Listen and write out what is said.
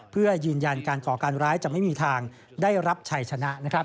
เพื่อยืนยันการก่อการร้ายจะไม่มีทางได้รับชัยชนะ